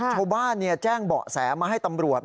ชัวร์บ้านเนี่ยแจ้งเบาะแสมาให้ตำรวจ